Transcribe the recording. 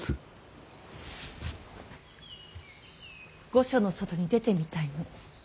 御所の外に出てみたいの。